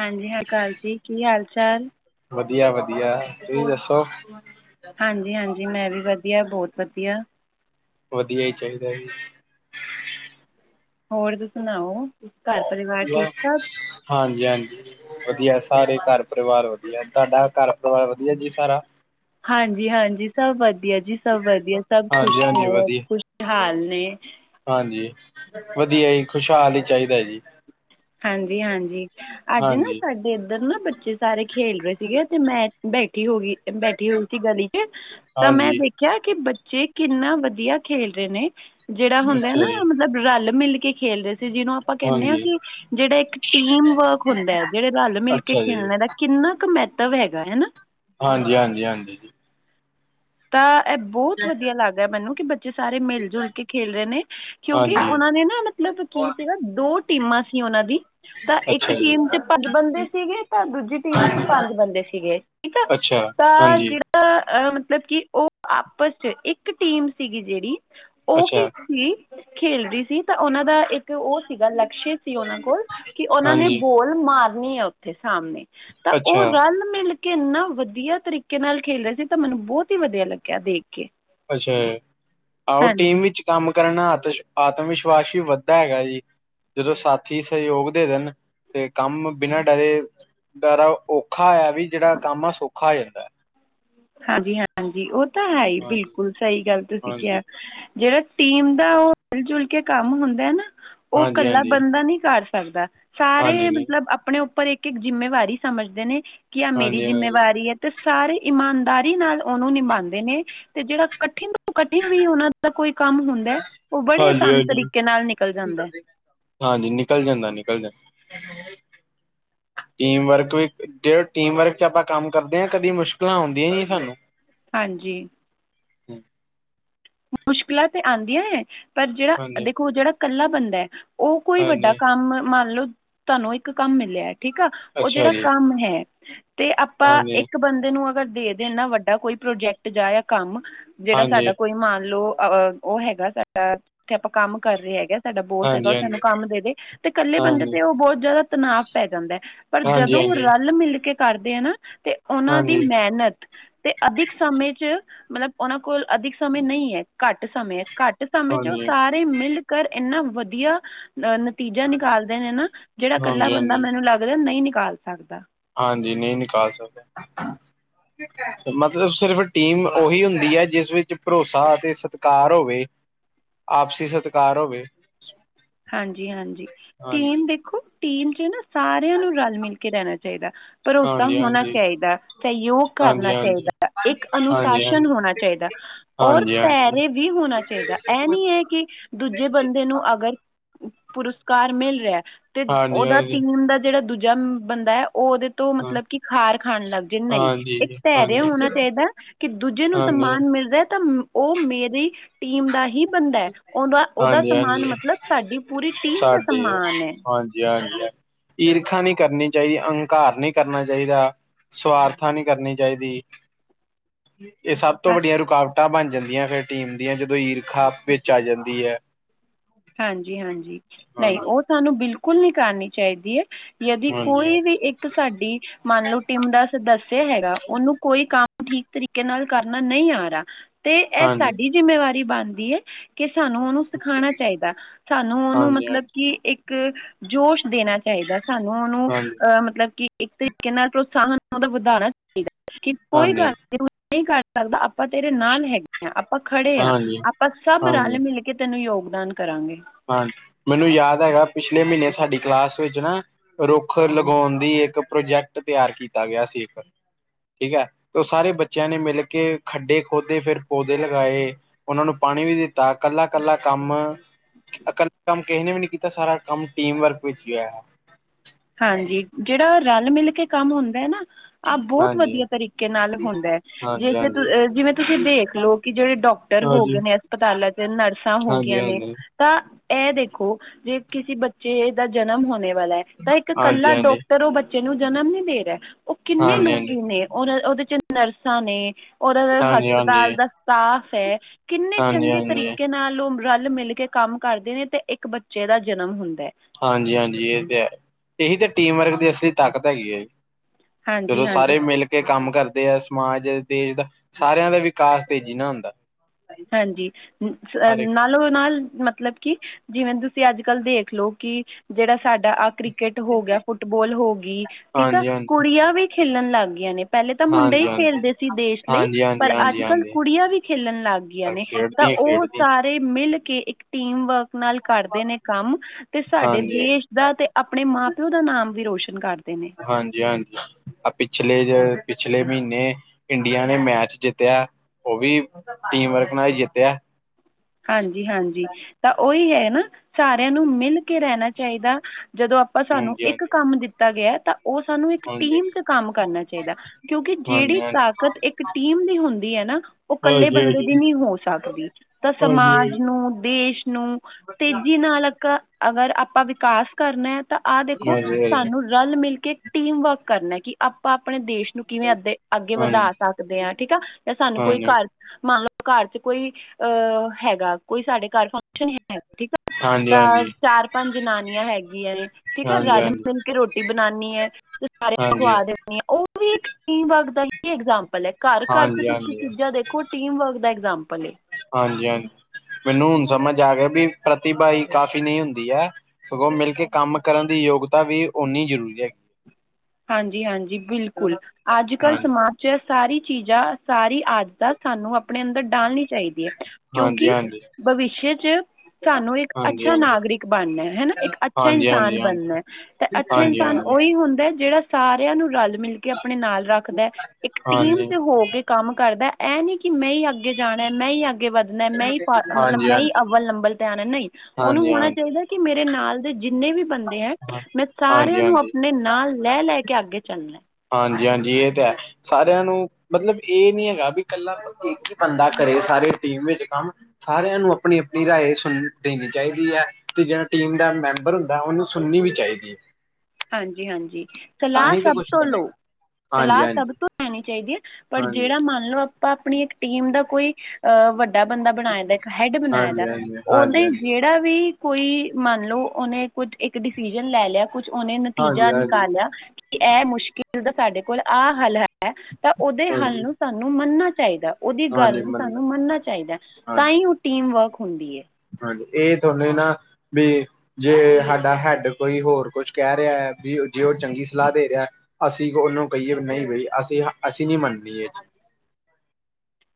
ਹਨਜੀ, [inaudible] ਜੀ ਕੀ, ਹਾਲ ਚਾਲ? ਵਧੀਆ- ਵਧੀਆ, ਤੁਸੀਂ ਦੱਸੋ? ਹਾਂਜੀ- ਹਾਂਜੀ, ਮੈਂ ਵੀ ਵਧੀਆ ਬਹੁਤ ਵਧੀਆ। ਵਧੀਆ ਹੀ ਚਾਹੀਦਾ ਹੈ ਜੀ। ਹੋਰ, ਤੁਸੀ ਸੁਣਾਓ ਘਰ ਪਰਿਵਾਰ ਠੀਕ ਠਾਕ? ਹਾਂਜੀ ਹਾਂਜੀ, ਵਧੀਆ ਸਾਰੇ ਘਰ ਪਰਿਵਾਰ ਵਧੀਆ, ਤੁਹਾਡਾ ਘਰ ਪਰਿਵਾਰ ਵਧੀਆ ਜੀ ਸਾਰਾ? ਹਾਂਜੀ-ਹਾਂਜੀ, ਸਭ ਵਧੀਆ ਜੀ, ਸਭ ਵਧੀਆ ਸਭ ਖੁਸ਼ ਹਾਂਜੀ [inaudible] ਹਾਂਜੀ ਵਧੀਆ ਕੀ ਹਾਲ ਨੇ? ਹਾਂਜੀ, ਵਧੀਆ ਜੀ ਖੁਸ਼ਹਾਲ ਹੀ ਚਾਹੀਦਾ ਜੀ। ਹਾਂਜੀ-ਹਾਂਜੀ, ਅੱਜ ਨਾ ਹਾਂਜੀ ਸਾਡੇ ਇੱਧਰ ਨਾ ਬੱਚੇ ਸਾਰੇ ਖੇਲ ਰਏ ਸੀਗੇ ਤੇ ਮੈਂ ਬੈਠੀ ਹੋ ਗੀ ਬੈਠੀ ਹੋਈ ਸੀ ਗਲੀ ਚ ਤਾਂ ਮੈਂ ਹਾਂਜੀ ਦੇਖ ਖਿਆ ਕੇ ਬੱਚੇ ਕਿੰਨਾ ਵਦੀਆ ਖੇਲ ਰਏ ਨੇ, ਜੇੜਾ ਹੁੰਦਾ ਅੱਛਾ ਨਾ ਜੀ ਮਤਲਬ ਰਲ ਮਿਲ ਕੇ ਖੇਲ ਰਏ ਸੀ ਜਿਨੂੰ ਆਪਾਂ ਕੈਂਨੇ ਆਂ ਹਾਂਜੀ ਕੇ ਜੇੜਾ ਇੱਕ ਟੀਮ ਵਰਕ ਹੁੰਦੈ ਜੇੜੇ ਰਲ ਮਿਲ ਕੇ ਅੱਛਾ ਜੀ ਖੇਲਨੇ ਦਾ ਕਿੰਨਾ ਕੁ ਮਹੈਤਵ ਹੈਗਾ ਹਨਾ। ਹਾਂਜੀ-ਹਾਂਜੀ-ਹਾਂਜੀ। ਤਾਂ ਐ ਬੋਤ ਵਦੀਆ ਲੱਗਦਾ ਮੈਨੂੰ ਕੇ ਬੱ ਸਾਰੇ ਮਿਲ ਜੁਲ ਕੇ ਖੇਲ ਰਏ ਨੇ, ਕਿਓਂਕਿ ਹਾਂਜੀ ਓਨਾਂ ਨੇ ਨਾ ਮਤਲਬ ਕੀ ਸੀਗਾ ਦੋ ਟੀਮਾਂ ਸੀ ਓਨਾਂ ਦੀ ਤਾਂ ਇੱਕ ਅੱਛਾ ਜੀ ਟੀਮ ਚ ਪੰਜ ਬੰਦੇ ਸੀਗੇ ਤਾਂ ਦੂਜੀ ਟੀਮ ਚ ਹਾਂਜੀ ਪੰਜ ਬੰਦੇ ਸੀਗੇ। ਠੀਕ ਆ। ਅੱਛਾ, ਹਾਂਜੀ। ਤਾਂ ਮਤਲਬ ਕੀ ਓ ਆਪਸ ਚ ਇੱਕ ਟੀਮ ਸੀਗੀ ਜੇੜੀ ਓ ਅੱਛਾ ਕੀ ਸੀ ਖੇਲ ਰੀ ਸੀ ਤਾਂ ਓਨਾਂ ਦਾ ਇੱਕ ਓ ਸੀਗਾ ਲਕਸ਼ਯ ਸੀ ਓਨਾਂ ਕੋਲ ਕੀ ਓਨਾਂ ਨੇ ਹਾਂਜੀ ਬੋਲ ਮਾਰਨੀ ਐ ਓਥੇ ਸਾਮਨੇ। ਤਾਂ ਓ ਅੱਛਾ ਰਲ ਮਿਲ ਕੇ ਏਨਾ ਵਦੀਆ ਤਰੀਕੇ ਨਾਲ ਖੇਲ ਰਏ ਸੀ ਤਾਂ ਮੈਨੂੰ ਬੋਤ ਵਦੀਆ ਲੱਗੇਆ ਦੇਖ ਕੇ। ਅੱਛਾ ਆਓ ਟੀਮ ਹਾਂਜੀ ਵਿੱਚ ਕੰਮ ਕਰਨਾ ਆਤਸ਼ ਆਤਮ ਵਿਸ਼ਵਾਸ ਵੀ ਵੱਦਦਾ ਹੈਗਾ ਜੀ। ਜਦੋਂ ਸਾਥੀ ਸਹਿਯੋਗ ਦੇ ਦੇਨ ਤੇ ਕੰਮ ਬਿਨਾਂ ਡਰੇ ਡਰਾ ਓ ਔਖਾ ਆ ਵੀ ਜੇੜਾ ਕੰਮ ਆ ਸੌਖਾ ਹੋ ਜਾਂਦੈ। ਹਾਂਜੀ-ਹਾਂਜੀ ਓ ਤਾਂ ਹੈ ਈ ਹਾਂਜੀ ਬਿਲਕੁਲ ਸਈ ਗੱਲ ਤੁਸੀਂ ਕਿਆ ਹਾਂਜੀ ਜੇੜਾ ਟੀਮ ਦਾ ਓ ਮਿਲ ਜੁਲ ਕੇ ਕੰਮ ਹੁੰਦਾ ਨਾ, ਓ ਹਾਂਜੀ ਕੱਲਾ ਹਾਂਜੀ ਬੰਦਾ ਨੀ ਕਰ ਸਕਦਾ। ਹਾਂਜੀ ਸਾਰੇ ਨਹੀਂ ਮਤਲਬ ਆਪਨੇ ਉੱਪਰ ਇੱਕ-ਇੱਕ ਜਿੰਮੇਵਾਰੀ ਸਮਝਦੇ ਨੇ, ਕੀ ਆਹ ਮੇਰੀ ਹਾਂਜੀ ਹਾਂਜੀ ਜਿੰਮੇਵਾਰੀ ਐ। ਤੇ ਸਾਰੇ ਇਮਾਨਦਾਰੀ ਨਾਲ ਓਨੂੰ ਨਿਭਾਂਦੇ ਨੇ ਤੇ ਜੇੜਾ ਕਠਿਨ ਓ ਕਠਿਨ ਵੀ ਓਨਾਂ ਦਾ ਕੋਈ ਕੰਮ ਹੁੰਦਾ, ਓ ਬੜੇ ਹਾਂਜੀ ਅਸਾਨ ਹਾਂਜੀ ਤਰੀਕੇ ਨਾਲ ਨਿਕਲ ਜਾਂਦੈ। ਹਾਂਜੀ ਨਿਕਲ ਜਾਂਦਾ ਨਿਕਲ ਜਾਂਦਾ। [inaudible] ਟੀਮ ਵਰਕ ਵੀ ਜੇ ਟੀਮ ਵਰਕ ਚ ਆਪਾਂ ਕੰਮ ਕਰਦੇ ਆਂ ਕਦੀ ਮੁਸ਼ਕਿਲਾਂ ਔਂਦੀਆਂ ਨੀ ਸਾਨੂੰ। ਹਾਂਜੀ। ਮੁਸ਼ਕਿਲਾਂ ਤੇ ਆਂਦੀਆਂ ਨੇ, ਪਰ ਜੇੜਾ ਹਾਂਜੀ ਦੇਖੋ ਜੇੜਾ ਕੱਲਾ ਬੰਦਾ ਐ ਓ ਕੋਈ ਵੱਡਾ ਹਾਂਜੀ ਕੰਮ ਮੰਨ ਲੋ ਤਾਨੂੰ ਇੱਕ ਕੰਮ ਮਿਲੇਆ ਠੀਕ ਆ ਓ ਅੱਛਾ ਜੇੜਾ ਜੀ ਕੰਮ ਹੈ, ਤੇ ਆਪਾਂ ਹਾਂਜੀ ਇੱਕ ਬੰਦੇ ਨੂੰ ਅਗਰ ਦੇ ਤੇ ਏਨਾ ਵੱਡਾ ਕੋਈ ਪ੍ਰੋਜੈਕਟ ਜਾਂ-ਜਾਂ ਕੰਮ ਜੇੜਾ ਹਾਂਜੀ ਸਾਡਾ ਕੋਈ ਮੰਨ ਲੋ ਅ ਓ ਹੈਗਾ ਸਾਡਾ ਓਥੇ ਆਪਾਂ ਕੰਮ ਕਰ ਰਏ ਹੈਗੇ ਆਂ। ਸਾਡਾ ਬੋਸ ਹੈਗਾ ਹਾਂਜੀ ਓ ਹਾਂਜੀ ਸਾਨੂੰ ਕੰਮ ਦੇ-ਦੇ ਤੇ ਕੱਲੇ ਬੰਦੇ ਹਾਂਜੀ ਤੇ ਓ ਬੋਤ ਜਾਦਾ ਤਨਾਵ ਪੈ ਜਾਂਦੈ। ਪਰ ਹਾਂਜੀ ਹਾਂਜੀ ਜਦੋਂ ਓ ਰਲ ਮਿਲ ਕੇ ਕਰਦੇ ਆ ਨਾ ਤੇ ਓਨਾਂ ਦੀ ਹਾਂਜੀ ਮੇਅਨਤ ਤੇ ਅਦਿਕ ਸਮੇਂ ਚ ਮਤਲਬ ਓਨਾਂ ਕੋਲ ਅਦਿਕ ਸਮੇਂ ਨਈਂ ਐ ਘੱਟ ਸਮੇਂ ਐ ਘੱਟ ਏ ਸਮੇਂ ਚ ਓ ਹਾਂਜੀ ਸਾਰੇ ਮਿਲ ਕਰ ਏਨਾ ਵਦੀਆ ਨ ਨਤੀਜਾ ਨਿਕਾਲਦੇ ਨੇ ਨਾ ਜੇੜਾ ਕੱਲਾ ਹਾਂਜੀ ਬੰਦਾ ਹਾਂਜੀ ਮੈਨੂੰ ਲੱਗਦਾ ਨਈਂ ਨਿਕਾਲ ਸਕਦਾ। ਹਾਂਜੀ ਨਈਂ ਨਿਕਾਲ ਸਕਦੇ। ਮਤਲਬ ਸਿਰਫ ਟੀਮ ਓਹੀ ਹੁੰਦੀ ਐ ਜਿਸ ਵਿੱਚ ਭਰੋਸਾ ਅਤੇ ਸਤਿਕਾਰ ਹੋਵੇ। ਆਪਸੀ ਸਤਿਕਾਰ ਹੋਵੇ। ਹਾਂਜੀ-ਹਾਂਜੀ, ਹਾਂਜੀ ਟੀਮ ਦੇਖੋ ਟੀਮ ਚ ਨਾ ਸਾਰਿਆਂ ਨੂੰ ਰਲ ਮਿਲ ਕੇ ਰੈਨਾ ਚਾਈਦਾ। ਭਰੋਸਾ ਹਾਂਜੀ ਹੋਨਾ ਹਾਂਜੀ ਚਾਈਦਾ, ਸਹਿਯੋਗ ਹਾਂਜੀ ਕਰਨਾ ਹਾਂਜੀ ਚਾਈਦਾ, ਇੱਕ ਹਾਂਜੀ ਹਾਂਜੀ ਅਨੁਸ਼ਾਸਨ ਹੋਨਾ ਚਾਈਦਾ। ਔਰ ਹਾਂਜੀ ਹਾਂਜੀ ਪੈਰੇ ਵੀ ਹੋਣਾ ਚਾਹੀਦਾ ਐ ਨੀ ਹੈ ਕਿ ਦੂਜੇ ਬੰਦੇ ਨੂੰ ਅਗਰ ਪੁਰਸਕਾਰ ਮਿਲ ਰਿਹਾ ਤੇ ਹਾਂਜੀ ਓਹਦਾ ਹਾਂਜੀ ਟੀਮ ਦਾ ਜਿਹੜਾ ਦੂਜਾ ਬੰਦਾ ਹੈ ਓਹ ਓਹਦੇ ਤੋਂ ਹਾਂ ਮਤਲਬ ਕਿ ਖਾਰ ਖਾਣ ਲੱਗ ਜਏ [unintelligible] ਨਹੀਂ ਹਾਂਜੀ ਇੱਕ ਪੈਰਿਐ ਹਾਂਜੀ ਹਾਂਜੀ ਹੋਣਾ ਚਾਹੀਦਾ ਕਿ ਦੂਜੇ ਨੂੰ ਹਾਂਜੀ ਸਮਾਨ ਮਿਲਦਾ ਤਾਂ ਮ ਓਹ ਮੇਰੇ ਟੀਮ ਦਾ ਹੀ ਬੰਦਾ ਹੈ ਓਹਦਾ ਓਹਦਾ ਹਾਂਜੀ ਸਮਾਨ ਮਤਲਬ ਸਾਡੀ ਪੂਰੀ ਟੀਮ ਦਾ ਸਾਡੇ ਸਮਾਨ ਐ ਹਾਂਜੀ [unintelligible] ਈਰਖਾ ਨਹੀਂ ਕਰਨੀ ਚਾਹੀ ਅਹੰਕਾਰ ਨੀ ਕਰਨਾ ਚਾਹੀਦਾ ਸਵਾਰਥਾ ਨੀ ਕਰਨੀ ਚਾਹੀਦੀ ਇਹ ਸਭ ਤੋਂ ਹਾਂ ਵੱਡੀਆਂ ਰੁਕਾਵਟਾਂ ਬਣ ਜਾਂਦੀਆਂ ਫੇਰ ਟੀਮ ਦੀਆਂ ਜਦੋਂ ਈਰਖਾ ਆਪੇ ਵਿੱਚ ਆ ਜਾਂਦੀ ਐ ਹਾਂਜੀ ਹਾਂਜੀ ਨਹੀਂ ਹਾਂਜੀ, ਓਹ ਸਾਨੂੰ ਬਿਲਕੁਲ ਨਹੀਂ ਕਰਨੀ ਚਾਹੀਦੀ ਐ ਯਦਿ ਹਾਂਜੀ, ਹਾਂਜੀ, ਕੋਈ ਵੀ ਇੱਕ ਸਾਡੀ ਮੰਨ ਲੋ ਟੀਮ ਦਾ ਸਦੱਸਯ ਹੈਗਾ ਓਹਨੂੰ ਕੋਈ ਕੰਮ ਠੀਕ ਤਰੀਕੇ ਨਾਲ ਕਰਨਾ ਨਹੀਂ ਆ ਰਾ ਤੇ ਐਹ ਹਾਂਜੀ, ਸਾਡੀ ਜਿੰਮੇਵਾਰੀ ਬਾਣਦੀ ਹੈ ਕਿ ਸਾਨੂੰ ਓਹਨੂੰ ਸਿਖਾਣਾ ਚਾਹੀਦਾ ਸਾਨੂੰ ਓਹਨੂੰ ਹਾਂਜੀ, ਮਤਲਬ ਕਿ ਇੱਕ ਜੋਸ਼ ਦੇਣਾ ਚਾਹੀਦਾ ਸਾਨੂੰ ਓਹਨੂੰ ਹਾਂਜੀ। ਅਹ ਮਤਲਬ ਕਿ ਇੱਕ ਤਰੀਕੇ ਨਾਲ ਪ੍ਰੋਤਸਾਹਨ ਓਹਦਾ ਵਧਾਣਾ ਠੀ ਕਿ ਕੋਈ ਗੱਲ ਨੀਨੀ ਕਰ ਸਕਦਾ ਆਪਾਂ ਤੇਰੇ ਨਾਲ ਹੈ ਆਪਾਂ ਖੜ੍ਹੇ ਆਂ ਹਾਂਜੀ, ਆਪਾਂ ਸਭ ਰਲ-ਮਿਲ ਕੇ ਤੈਨੂੰ ਯੋਗਦਾਨ ਕਰਾਂਗੇ ਹਾਂ ਨੂੰ ਯਾਦ ਹੈਗਾ ਪਿਛਲੇ ਮਹੀਨੇ ਸਾਡੀ ਕਲਾਸ ਵਿੱਚ ਨਾ ਰੁੱਖ ਲਗਾਉਣ ਦੀ ਇੱਕ ਪ੍ਰੋਜੈਕਟ ਤਿਆਰ ਕੀਤਾ ਗਿਆ ਸੀ ਇੱਕ ਠੀਕ ਹੈ ਤੇ ਓਹ ਸਾਰੇ ਬੱਚਿਆਂ ਨੇ ਮਿਲ ਕੇ ਖੱਡੇ ਖੋਦੇੇ ਫਿਰ ਪੌਦੇ ਲਗਾਏ ਉਹਨਾਂ ਨੂੰ ਪਾਣੀ ਵੀ ਦਿੱਤਾ ਕੱਲਾ ਕੱਲਾ ਕੰਮ ਗ਼ਲਤ [unintelligible] ਕੰਮ ਕਿਹੇ ਨੇ ਵੀ ਨੀ ਕੀਤਾ ਸਾਰਾ ਕੰਮ ਟੀਮ ਵਰਕ ਵਿੱਚ ਹੋਇਆ ਹਾਂਜੀ ਜੇਹੜਾ ਰਲ ਮਿਲ ਕੇ ਕੰਮ ਹੁੰਦਾ ਐ ਨਾ ਆਹ ਬਹੁਤ ਹਾਂਜੀ, ਵਧੀਆ ਤਰੀਕੇ ਨਾਲ ਹੁੰਦੈ ਹਾਂਜੀ, ਜਿਸੇ ਹਾਂਜੀ। ਤੁੰ ਅ ਜਿਵੇਂ ਤੁਸੀਂ ਦੇਖਲਓ ਕਿ ਜਿਹੜੇ ਡੋਕ ਆਟਕ ਹੋ ਹਾਂਜੀ, ਗਏ ਨੇ [unintelligible] ਹਸਪਤਾਲਾਂ ਚ ਨਰਸਾਂ ਹੋ ਗਿਆਂ ਨੇ ਹਾਂਜੀ-ਹਾਂਜੀ, ਤਾਂ ਐਹ ਦੇਖੋ ਜੇ ਕਿਸੀ ਬੱਚੇ ਦਾ ਜਨਮ ਹੋਨੇ ਵਾਲਾ ਐ ਤਾਂ ਇੱਕ ਕੱਲਾ ਹਾਂਜੀ-ਹਾਂਜੀ, ਡਾਕਟਰ ਓਹ ਬੱਚੇ ਨੂੰ ਜਨਮ ਨੀ ਦੇ ਰੇਆ ਓਹ ਕਿੰਨੇ ਹਾਂਜੀ-ਹਾਂਜੀ। ਲੋਕੀ ਨੇ ਓਹਨਾਂ ਓਹਦੇ ਚ ਨਰਸਾਂ ਨੇ ਓਹਨਾਂ ਦਾ ਹਾਂਜੀ-ਹਾਂਜੀ, ਹਸਪਤਾਲ ਦਾ ਸਟਾਫ ਐ ਕਿੰਨੇ ਚੰਗੇ ਹਾਂਜੀ-ਹਾਂਜੀ, ਤਰੀਕੇ ਨਾਲ ਓ ਰਲ-ਮਿਲ ਕੇ ਕੰਮ ਕਰਦੇ ਨੇ ਤੇ ਇੱਕ ਬੱਚੇ ਦਾ ਜਨਮ ਹੁੰਦੈ ਹਾਂਜੀ ਹਾਂਜੀ ਇਹ ਤੇ ਹੈ ਇਹੀ ਤੇ ਟੀਮ ਵਰਕ ਦੀ ਅਸਲੀ ਤਾਕਤ ਹੈਗੀ ਏ ਹਾਂਜੀ ਜਦੋਂ ਹਾਂਜੀ ਸਾਰੇ ਮਿਲ ਕੇ ਕੰਮ ਕਰਦੇ ਆ ਸਮਾਜ ਦੇਸ਼ ਦਾ ਸਾਰਿਆਂ ਦਾ ਵਿਕਾਸ ਤੇਜ਼ੀ ਨਾ ਹੁੰਦਾ ਹਾਂਜੀ ਹਰ ਇੱਕ ਨਾਲੋਂ ਨਾਲ ਮਤਲਬ ਕਿ ਜਿਵੇਂ ਤੁਸੀਂ ਅੱਜਕੱਲ੍ਹ ਦੇਖ ਲੋ ਕਿ ਜੇਹੜਾ ਸਾਡਾ ਆਹ ਕ੍ਰਿਕਟ ਹੋ ਗਿਆ ਫੁੱਟਬੋਲ ਹੋ ਗਈ ਠੀਕ ਆ ਹਾਂਜੀ-ਹਾਂਜੀ। ਕੁੜੀਆਂ ਵੀ ਖੇਲਣ ਲੱਗ ਗੀਆਂ ਨੇ ਪੈਹਲੇ ਤਾਂ ਮੁੰਡੇ ਹੀ ਹਾਂਜੀ-ਹਾਂਜੀ, ਖੇਲਦੇ ਸੀ ਦੇਸ਼ ਲਈ ਪਰ ਹਾਂਜੀ-ਹਾਂਜੀ, ਅੱਜ-ਕੱਲ ਹਾਂਜੀ-ਹਾਂਜੀ ਕੁੜੀਆਂ ਵੀ ਖੇਲਣ ਲੱਗ ਗਈਆਂ ਨੇ ਤਾਂ ਖੇਡਦੀ ਓਹ ਖੇਡਦੀ ਹਾਂਜੀ। ਸਾਰੇ ਮਿਲ ਕੇ ਇੱਕ ਟੀਮ ਵਰਕ ਨਾਲ ਕਰਦੇ ਨੇ ਕੰਮ ਤੇ ਸਾਡੇ ਹਾਂਜੀ ਖੇਡਦੀਆਂ ਦੇਸ਼ ਖੇਡਦੀਆਂ ਦਾ ਤੇ ਆਪਣੇ ਮਾਂ-ਪਓ ਦਾ ਹਾਂਜੀ ਨਾਮ ਵੀ ਰੋਸ਼ਨ ਕਰਦੇ ਨੇ ਹਾਂਜੀ ਹਾਂ ਅ ਪਿਛਲੇ ਜੇ ਪਿਛਲੇ ਮਹੀਨੇ ਇੰਡੀਆ ਨੇ ਮੈਚ ਜਿੱਤਿਆ ਓਹ ਵੀ ਟੀਮ ਵਰਕ ਨਾ ਹੀ ਜਿੱਤਿਆ ਹਾਂਜੀ ਹਾਂਜੀ ਤਾਂ ਓਹੀ ਹੈ ਨਾ ਸਾਰਿਆਂ ਨੂੰ ਮਿਲ ਕੇ ਰੈਨਾ ਚਾਈਦਾ ਜਦੋਂ ਆਪਾਂ ਸਾਨੂੰ ਹਾਂਜੀ ਇੱਕ ਹਾਂਜੀ ਕੰਮ ਦਿੱਤਾ ਗਿਆ ਤਾਂ ਓ ਸਾਨੂੰ ਇੱਕ ਹਾਂਜੀ ਟੀਮ ਚ ਕੰਮ ਕਰਨਾ ਚਾਈਦਾ ਕਿਉਂਕਿ ਜੇੜੀ ਹਾਂਜੀ ਤਾਕਤ ਇੱਕ ਟੀਮ ਦੀ ਹੁੰਦੀ ਐਨਾ ਓ ਕੱਲੇ ਬੰਦੇ ਹਾਂਜੀ ਦੀ ਨੀਂ ਹੋ ਸਕਦੀ ਤਾਂ ਹਾਂਜੀ ਹਾਂਜੀ ਸਮਾਜ ਨੂੰ ਦੇਸ਼ ਨੂੰ ਤੇਜ਼ੀ ਨਾਲ ਆਕਾ ਅਗਰ ਆਪਾਂ ਵਿਕਾਸ ਕਰਨਾ ਹੈ ਤਾਂ ਆਹ ਦੇਖੋ ਹਾਂਜੀ ਹਾਂਜੀ ਸਾਨੂੰ ਰਲ ਮਿਲ ਕੇ ਟੀਮ ਵਰਕ ਕਰਨਾ ਕਿ ਆਪਾਂ ਆਪਣੇ ਦੇਸ਼-ੱਊ ਨੂੰ ਕਿਵੇਂ ਅੱਧੇ ਅੱਗੇ ਵਧਾ ਸਕਦੇ ਆ ਠੀਕ ਆ ਸਾਨੂੰ ਕੋਈ ਹਾਂਜੀ ਘਾਰ ਮੰਨ ਲਓ ਘਾਰ ਚ ਕੋਈ ਅ ਹੈਗਾ, ਕੋਈ ਸਾਡੇ ਘਰ ਫੰਕਸ਼ਨ ਹੈਗਾ ਠੀਕ ਆ ਹਾਂਜੀ ਹਾਂਜੀ ਹਾਂਜੀ ਹਾਂਜੀ ਹਾਂਜੀ ਤਾਂ ਹਾਂਜੀ ਚਾਰ-ਪੰਜ ਜਨਾਨੀਆਂ ਹੈਗੀਆਂ ਏ ਠੀਕ ਆ ਰਲ-ਮਿਲ ਕੇ ਰੋਟੀ ਬਨਾਨੀ ਐ ਹਾਂ ਖਵਾ ਦੇਨੀ ਏ ਓ ਵੀ ਇੱਕ ਟੀਮ ਵਰਕ ਦਾ ਈ ਐਗਜਾਮਪਲ ਐ। ਘਾਰ-ਘਾਰ ਚ ਹਾਂਜੀ ਤੁਸੀਂ ਹਾਂਜੀ ਚੀਜ਼ਾਂ ਦੇਖੋ ਟੀਮ ਵਰਕ ਦਾ ਇਗਜਾਮਪਲ ਏ। ਹਾਂਜੀ-ਹਾਂਜੀ ਮੈਨੂੰ ਹੁਣ ਸਮਝ ਆ ਗਿਆ ਵੀ ਪ੍ਰਤੀਭਾ ਈ ਕਾਫ਼ੀ ਨਹੀਂ ਹੁੰਦੀ ਐ ਸਗੋਂ ਮਿਲ ਕੇ ਕੰਮ ਕਰਨ ਦੀ ਯੋਗਤਾ ਵੀ ਓਨੀ ਜ਼ਰੂਰੀ ਹੈਗੀ। ਹਾਂਜੀ-ਹਾਂਜੀ ਬਿਲਕੁਲ ਆੱਜ-ਕੱਲ ਹਾਂਜੀ ਸਮਾਜ ਚ ਸਾਰੀ ਚੀਜ਼ਾਂ ਸਾਰੀ ਆਦਤਾਂ ਸਾਨੂੰ ਅਪਣੇ ਅੰਦਰ ਡਾਲਣੀ ਚਾਈਦੀ ਐ ਹਾਂਜੀ ਕਿਉਂਕਿ ਹਾਂਜੀ ਭਵਿਸ਼ਯ ਚ ਸਾਨੂੰ ਇੱਕ ਹਾਂਜੀ ਅੱਛਾ ਨਾਗਰਿਕ ਹਾਂਜੀ ਬਣਨਾ ਹੈਨਾ ਇੱਕ ਅੱਛਾ ਇਨਸਾਨ ਹਾਂਜੀ ਹਾਂਜੀ ਬਣਨਾ ਐ ਤੇ ਹਾਂਜੀ ਅੱਛਾ ਇਨਸਾਨ ਹਾਂਜੀ ਓਹੀ ਹੁੰਦਾ ਜੇੜਾ ਸਾਰਿਆਂ ਨੂੰ ਰਲ-ਮਿਲ ਕੇ ਅਪਨੇ ਨਾਲ ਰੱਖਦਾ ਇੱਕ ਟੀਮ ਹਾਂਜੀ ਤੇ ਹੋ ਕੇ ਕੰਮ ਕਰਦਾ ਐ ਨੀ ਕਿ ਮੈਂ ਈ ਅੱਗੇ ਜਾਣਾ ਮੈਂ ਈ ਅੱਗੇ ਵੱਦ ਨਾ, ਮੈਂ ਈ ਪਾ ਹਾਂਜੀ ਹਾਂਜੀ ਮਤਲਬ ਹਾਂਜੀ ਮੈਂ ਈ ਹਾਂਜੀ ਅਵਲ ਨੰਬਲ ਤੇ ਆਨਾ ਨਈ ਓਨੂੰ ਹਾਂਜੀ ਹੋਨਾ ਚਾਈਦਾ ਕਿ ਮੇਰੇ ਨਾਲ ਦੇ ਜਿੰਨੇ ਵੀ ਬੰਦੇ ਐ ਮੈਂ ਹਾਂਜੀ ਸਾਰਿਆਂ ਨੂੰ ਹਾਂਜੀ ਅਪਨੇ ਨਾਲ ਲੈ-ਲੈ ਕੇ ਅ ਆੱਗੇ ਚੱਲਨਾ ਹਾਂਜੀ-ਹਾਂਜੀ ਏ ਤਾਂ ਹੈ ਸਾਰਿਆਂ ਨੂੰ ਮਤਲਬ ਏ ਨੀ ਹੈਗਾ ਵੀ ਕੱਲਾ ਇੱਕ ਈ ਬੰਦਾ ਕਰੇ ਸਾਰੀ ਟੀਮ ਵਿੱਚ ਕੰਮ ਸਾਰਿਆਂ ਨੂੰ ਅਪਨੀ-ਅਪਨੀ ਰਾਏ ਸੁਣ, ਦੇਣੀ ਚਾਈਦੀ ਐ ਤੇ ਜੇੜਾ ਟੀਮ ਦਾ ਮੈਂਬਰ ਹੁੰਦਾ ਓਨੂੰ ਸੁਣਨੀ ਵੀ ਚਾਈਦੀ ਏ। ਹਾਂਜੀ-ਹਾਂਜੀ ਸਲ੍ਹਾ ਸਬ ਤੋਂ ਲੋ, ਬਣੇਗਾ ਸਲ੍ਹਾ ਹਾਂਜੀ ਸਬ ਹਾਂਜੀ ਤੋਂ ਲੈਨੀ ਚਾਈਦੀ ਐ ਪਰ ਹਾਂਜੀ ਜੇੜਾ ਮੰਨ ਲੋ ਆਪਾਂ ਅਪਨੀ ਇੱਕ ਟੀਮ ਦਾ ਕੋਈ ਅ ਵੱ ਡਾ ਬੰਦਾ ਬਨਾਏਦਾ ਇੱਕ ਹੈਡ ਹਾਂਜੀ ਹਾਂਜੀ ਬਨਾਏਦਾ ਹਾਂਜੀ ਓਦੇ ਹਾਂਜੀ ਜੇੜਾ ਵੀ ਕੋਈ ਮੰਨਲਓ ਓਨੇ ਕੁੱਝ ਇੱਕ ਡਿਸੀਜਨ ਲੈ ਲਿਆ ਕੁੱਛ ਓਨੇ ਨਤੀਜਾ ਹਾਂਜੀ ਹਾਂਜੀ ਨਿਕਾਲਿਆ ਕਿ ਐ ਮੁਸ਼ਕਿਲ ਦਾ ਸਾਡੇ, ਕੋਲ ਆ ਹੱਲ ਐ ਤਾਂ ਓਦੇ ਹੱਲ ਹਾਂਜੀ ਨੂੰ ਸਾਨੂੰ ਮੰਨਣਾ ਚਾਈਦਾ। ਓਦੀ ਗੱਲ ਹਾਂਜੀ ਨੂੰ ਮੰਨ ਸਾਨੂੰ ਮੰਨਣਾ ਚਾਈਦਾ ਤਾਂ ਹਾਂਜੀ ਈ ਓ ਟੀਮ ਵਰਕ ਹੁੰਦੀ ਏ। ਹਾਂਜੀ ਏ ਤੁਆਨੇ ਨਾ ਵੀ ਜੇ ਸਾਡਾ ਹੈਡ ਕੋਈ ਹੋਰ ਕੁਛ ਕੈ ਰਿਆ ਐ ਵੀ ਜੇ ਓ ਚੰਗੀ ਸਲ੍ਹਾ ਦੇ ਰਿਆ ਅਸੀਂ ਓਨੂੰ ਕਈਏ ਵੀ ਨਈ ਬਈ ਅਸੀਂ ਨਾ, ਅਸੀਂ ਨੀ ਮੰਨਦੀ ਏ।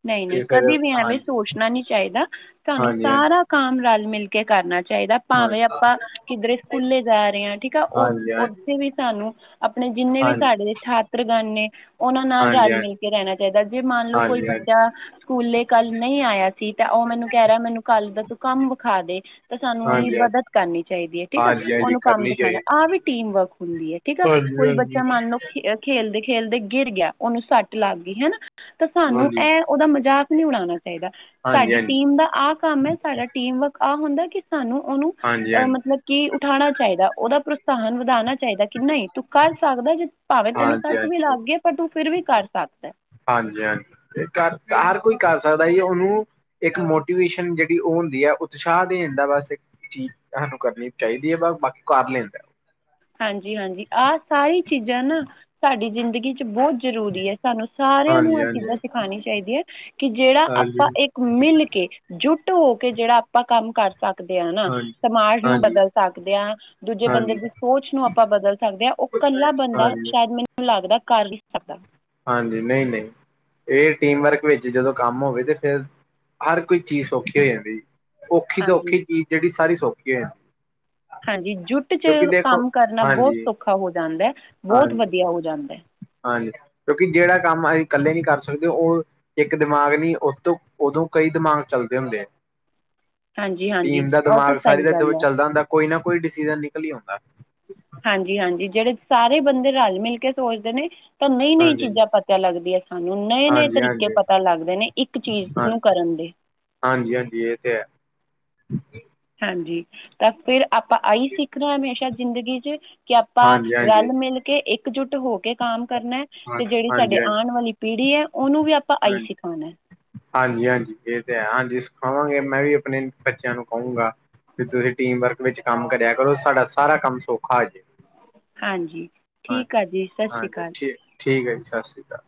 ਨਈ-ਨਈ ਫਿਰ ਕਦੇ ਵੀ ਐਵੇਂ ਹਾਂਜੀ ਸੋਚਨਾ ਨੀ ਚਾਈਦਾ ਤੁਆਨੂੰ ਹਾਂਜੀ ਸਾਰਾ ਕਾਮ ਰਲ-ਮਿਲ ਕੇ ਕਰਨਾ ਚਾਈਦਾ ਭਾਵੇਂ ਹਾਂਜੀ ਆਪਾਂ ਹਾਂਜੀ ਕਿੱਦਰੇ ਸਕੂਲੇ ਜਾ ਰੇ ਆ ਠੀਕ ਆ ਓ ਹਾਂਜੀ ਹਾਂਜੀ ਹਾਂਜੀ ਓੱਥੇ ਵੀ ਸਾਨੂੰ ਅਪਨੇ ਜਿੰਨੇ ਵੀ ਸਾਡੇ ਹਾਂਜੀ ਛਾਤਰਗਨ ਨੇ ਓਨਾਂ ਨਾਲ ਹਾਂਜੀ ਰਲ-ਮਿਲ ਕੇ ਰੈਨਾ ਚਾਈਦਾ ਜੇ ਮੰਨ ਲਓ ਕੋਈ ਬ ਚਾ ਸਕੂਲੇ ਕੱਲ ਨਈ ਆਇਆ‌ ਸੀ ਤੇ ਓ ਮੈਨੂੰ ਕੈ ਰਿਆ ਮੈਨੂੰ ਕਾੱਲ ਦਾ ਤੂੰ ਕੰਮ ਵਿਖਾ ਦੇ ਤਾਂ ਸਾਨੂੰ ਓਦੀ ਹਾਂਜੀ ਹਾਂਜੀ ਮਦਦ ਕਰਨੀ ਚਾਈਦੀ ਐ ਠੀਕ ਆ ਹਾਂਜੀ ਹਾਂਜੀ ਓਨੂੰ ਕੰਮ ਕਰਨੀ ਦਿਖਾਨਾ ਚਾਹੀਦੀ ਐ ਵੀ ਟੀਮ ਵਰਕ ਹੁੰਦੀ ਐ ਠੀਕ ਐ। ਹਾਂਜੀ ਕੋਈ ਬੱਚਾ ਹਾਂਜੀ ਮੰਨ ਲਓੇ ਖੇਲਦੇ, ਖੇਲਦੇ ਗਿਰ ਗਿਆ, ਉਹਨੂੰ ਸੱਟ ਲੱਗ ਗਈ ਹਨਾ, ਤਾਂ ਸਾਨੂੰ ਹਾਂਜੀ ਐ ਉਹਦਾ ਮਜ਼ਾਕ ਨਹੀਂ ਉਡਾਉਣਾ ਚਾਹੀਦਾ, ਹਾਂਜੀ ਹਾਂਜੀ ਸਾਡੀ ਟੀਮ ਦਾ ਆਪ ਕੰਮ ਐ, ਸਾਡਾ ਟੀਮ ਵਰਕ ਆਹ ਹੁੰਦਾ ਕਿ ਸਾਨੂੰ ਉਹਨੂੰ ਹਾਂਜੀ ਹਾਂਜੀ ਅਹ ਮਤਲਬ, ਕੀ ਉਠਾਉਣਾ ਚਾਹੀਦਾ, ਉਹਦਾ ਪ੍ਰੋਤਸਾਹਨ ਵਧਾਣਾ ਚਾਹੀਦਾ। ਕਿ ਨਹੀਂ ਤੂੰ ਕਰ ਸਕਦਾ, ਜੇ ਭਾਵੇਂ ਤੈਨੂੰ ਹਾਂਜੀ ਸੱਟ ਵੀ ਹਾਂਜੀ ਲੱਗ ਗਈ ਏ, ਪਰ ਤੂੰ ਫਿਰ ਵੀ ਕਰ ਸਕਦਾ। ਹਾਂਜੀ, ਹਾਂਜੀ ਤੇ ਕਰ ਹਰ ਕੋਈ ਕਰ ਸਕਦਾ ਜੀ ਉਹਨੂੰ ਇੱਕ ਮੋਟੀਵੇਸ਼ਨ ਜਿਹੜੀ ਉਹ ਹੁੰਦੀ ਹੈ, ਉਤਸ਼ਾਹ ਦੇ ਦਿੰਦਾ ਬਸ, ਚੀਜ਼ ਸਾਨੂੰ ਕਰਨੀ ਚਾਹੀਦੀ ਹੈ, ਵ ਬਾਕੀ ਕਰ ਲੈਂਦਾ। ਹਾਂਜੀ, ਹਾਂਜੀ ਆਹ ਸਾਰੀ ਚੀਜ਼ਾਂ ਨਾ, ਸਾਡੀ ਜ਼ਿੰਦਗੀ ਚ ਬਹੁਤ ਜ਼ਰੂਰੀ ਐ, ਸਾਨੂੰ ਸਾਰਿਆਂ ਨੂੰ ਹਾਂਜੀ ਆਹ ਹਾਂਜੀ ਚੀਜ਼ਾਂ ਸਿਖਾਣੀਆ ਚਾਹੀਦੀਆ ਹੈ ਕਿ ਜਿਹੜਾ ਆਪਾਂ ਹਾਂਜੀ ਇੱਕ ਮਿਲ ਕੇ, ਜੁੱਟ ਹੋ ਕੇ ਜਿਹੜਾ ਆਪਾਂ ਕੰਮ ਕਰ ਸਕਦੇ ਆ ਨਾ, ਹਾਂਜੀ ਸਮਾਜ ਨੂੰ ਹਾਂਜੀ ਬਦਲ ਸਕਦੇ ਆ, ਦੂਜੇ ਬੰਦੇ ਹਾਂਜੀ ਦੀ ਕੁਛ ਨੂੰ ਆਪਾਂ ਬਦਲ ਸਕਦੇ ਹਾਂ, ਉਹ ਕੱਲਾ ਬੰਦਾ ਹਾਂਜੀ ਸ਼ਾਇਦ ਮੈਨੂੰ ਲੱਗਦਾ ਕਰ ਹੀ ਸਕਦਾ। ਹਾਂਜੀ। ਨਹੀਂ, ਨਹੀਂ। ਇਹ ਟੀਮ ਵਰਕ ਵਿੱਚ ਜਦੋਂ ਕੰਮ ਹੋਵੇ ਤੇ ਫੇਰ ਹਰ ਕੋਈ ਚੀਜ਼ ਸੌਖੀ ਹੋ ਜਾਂਦੀ। ਔਖੀ ਤਾਂ ਹਾਂਜੀ ਔਖੀ ਚੀਜ਼ ਜੇਹੜੀ ਸਾਰੀ ਸੌਖੀ ਹੋ ਜਾ ਹਾਂਜੀ, ਜੁੱਟ ਚ ਕੰਮ ਕਰਨਾ ਬਹੁਤ ਹਾਂਜੀ ਸੌਖਾ ਹੋ ਜਾਂਦਾ ਐ। ਹਾਂਜੀ, ਹਾਂਜੀ ਕਿਉਂਕਿ ਜਿਹੜਾ ਕੰਮ ਅਸੀਂ ਇਕੱਲੇ ਨਹੀਂ ਕਰ ਸਕਦੇ, ਉਹ ਇੱਕ ਦਿਮਾਗ ਨੀ, ਉਤੋ ਉਦੋਂ ਕਈ ਦਿਮਾਗ ਚੱਲਦੇ ਹੁੰਦੇ ਐ। ਹਮ [inaudible] ਟੀਮ ਦਾ ਦਿਮਾਗ ਸਾਰੀ ਦਾ ਚੱਲਦਾ ਹੁੰਦਾ, ਕੋਈ ਨਾ ਕੋਈ ਡਿਸੀਜ਼ਨ ਨਿਕਲ ਹੀ ਆਉਂਦਾ। ਹਾਂਜੀ, ਹਾਂਜੀ ਜਿਹੜੇ ਸਾਰੇ ਬੰਦੇ ਰਲ -ਮਿਲ ਕੇ ਸੋਚਦੇ ਨੇ ਤਾਂ ਨਈ, ਨਈ ਹਾਂਜੀ ਚੀਜ਼ਾਂ ਪਤਾ ਲੱਗਦੀਆਂ ਸਾਨੂੰ, ਨਏ-ਨਏ ਹਾਂਜੀ ਤਰੀਕੇ ਹਾਂਜੀ ਪਤਾ ਲੱਗਦੇ ਨੇ, ਇੱਕ ਚੀਜ਼ ਨੂੰ ਹਾਂਜੀ ਕਰਨ ਦੇ। ਹਾਂਜੀ, ਹਾਂਜੀ ਇਹ ਤੇ ਹੈ। ਹਾਂਜੀ, ਤਾਂ ਫਿਰ ਆਪਾਂ ਆਈ ਸਿੱਖਣਾ ਹਮੇਸ਼ਾ ਜ਼ਿੰਦਗੀ 'ਚ ਕਿ ਆਪਾਂ ਹਾਂਜੀ ਰਲ ਹਾਂਜੀ -ਮਿਲ ਕੇ ਇੱਕਜੁੱਟ ਹੋ ਕੇ ਕਾਮ ਕਰਨਾ ਹਾਂ ਤੇ ਜਿਹੜੀ ਸਾਡੇ ਹਾਂਜੀ ਹਾਂਜੀ ਆਣ ਵਾਲੀ ਪੀੜ੍ਹੀ ਐ, ਉਹਨੂੰ ਵੀ ਆਪਾਂ ਆਈ ਹਾਂਜੀ ਸਿਖਾਣਾ। ਹਾਂਜੀ, ਹਾਂਜੀ ਇਹ ਤੇ ਹੈ। ਹਾਂਜੀ ਸਿਖਾਵਾਂਗੇ, ਮੈਂ ਵੀ ਆਪਣੇ ਬੱਚਿਆਂ ਨੂੰ ਕਹੂੰਗਾ। ਵੀ ਤੁਸੀਂ ਟੀਮ ਵਰਕ ਵਿੱਚ ਕੰਮ ਕਰਿਆ ਕਰੋ, ਸਾਡਾ ਸਾਰਾ ਕੰਮ ਸੌਖਾ ਹੋ ਜੇ। ਹਾਂਜੀ। ਹਾਂਜੀ ਠੀਕ ਆ ਜੀ, ਸਸਿ ਸ਼੍ਰੀ ਹਾਂਜੀ ਅਕਾਲ। ਠੀਕ ਠੀਕ ਹੈ ਜੀ, ਸ਼ਸਿ ਸ਼੍ਰੀ ਅਕਾਲ।